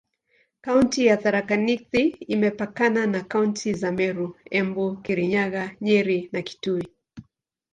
Kaunti ya Tharaka Nithi imepakana na kaunti za Meru, Embu, Kirinyaga, Nyeri na Kitui.